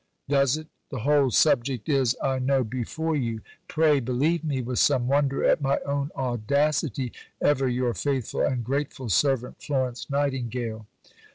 Does it? The whole subject is, I know, before you. Pray believe me (with some wonder at my own audacity), ever your faithful and grateful servant, FLORENCE NIGHTINGALE.